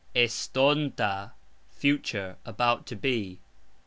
estonta : future (about to be).